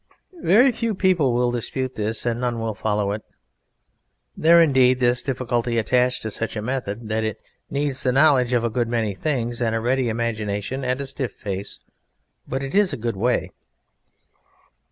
Very few people will dispute this, none will follow it. There is indeed this difficulty attached to such a method, that it needs the knowledge of a good many things, and a ready imagination and a stiff face: but it is a good way.